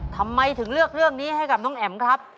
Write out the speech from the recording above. ทำไมถึงเลือกเรื่องนี้ให้กับน้องแอ๋มครับ